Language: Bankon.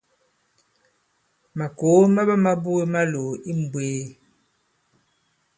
Màkòo ma ɓama buge malòò i mmbwēē.